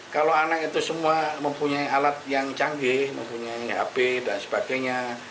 kalau anak itu semua mempunyai alat yang canggih mempunyai hp dan sebagainya